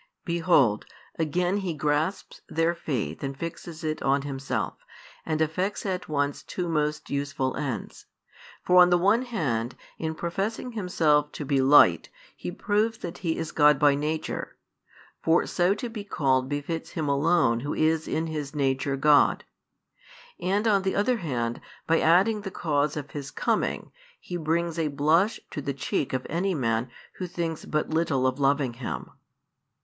Behold, again He grasps their faith and fixes it on Himself, and effects at once two most useful ends. For on the one hand in professing Himself to be Light He proves that He is God by Nature, for so to be called befits Him alone Who is in His Nature God; and on the other hand by adding the cause of His coming, He brings a blush to the cheek of any man who thinks but little of loving Him.